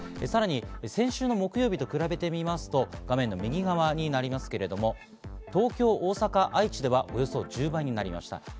さらに先週の木曜日と比べてみますと、画面の右側になりますけど、東京、大阪、愛知ではおよそ１０倍になりました。